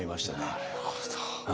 なるほど。